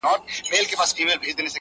مور د کور درد زغمي,